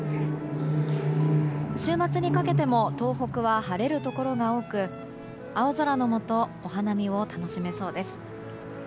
週末にかけても東北は晴れるところが多く青空のもとお花見を楽しめそうです。